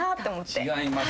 違います。